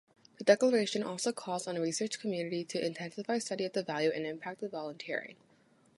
The declaration also calls on the research community to intensify study of the value and impact of volunteering.